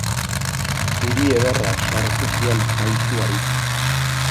Ziri ederra sartu zion maisuari.